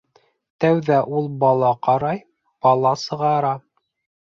Тәүҙә ул бала ҡарай, бала сығара.